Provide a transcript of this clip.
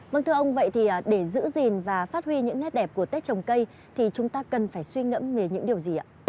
vâng thưa ông vậy thì để giữ gìn và phát huy những nét đẹp của tết trồng cây thì chúng ta cần phải suy ngẫm về những điều gì ạ